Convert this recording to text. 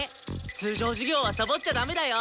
通常授業はさぼっちゃダメだよ！